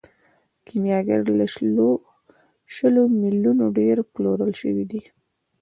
کیمیاګر له شلو میلیونو ډیر پلورل شوی دی.